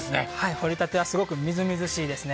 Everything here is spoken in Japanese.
堀りたてはすごくみずみずしいですね。